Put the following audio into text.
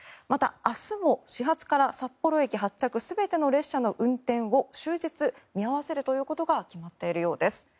また、明日も始発から札幌駅発着全ての運転を終日見合わせるということが決まっているようです。